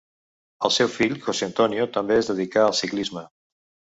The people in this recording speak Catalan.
El seu fill José Antonio també es dedicà al ciclisme.